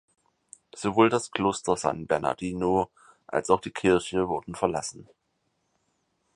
Sowohl das Kloster San Bernardino als auch die Kirche wurden verlassen.